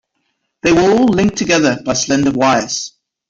They were all linked together by slender wires.